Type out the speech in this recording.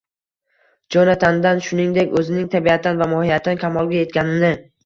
Jonatandan, shuningdek, o‘zining tabiatan va mohiyatan kamolga yetganini